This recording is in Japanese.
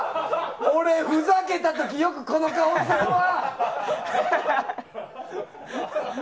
俺、ふざけた時よくこの顔するわ。